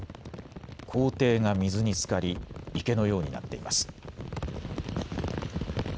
校庭が水につかり池のようになっています。